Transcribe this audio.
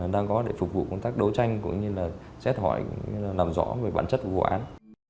đang có để phục vụ công tác đấu tranh cũng như là xét hỏi làm rõ về bản chất của vụ án